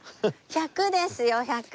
１００ですよ１００。